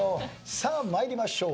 さあ参りましょう。